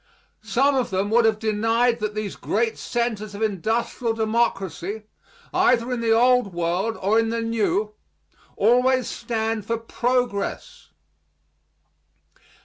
Some of them would have denied that these great centers of industrial democracy either in the Old World or in the New always stand for progress.